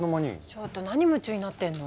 ちょっと何夢中になってんの？